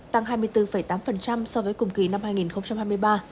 tăng hai mươi bốn tám so với cùng kỳ năm hai nghìn hai mươi ba